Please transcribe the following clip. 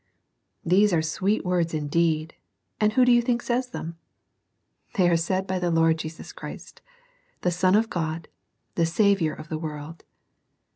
These are sweet words indeed ; and who do you think says them? They are said by the Lord Jesus Christ, the Son of God, the Saviour of the world.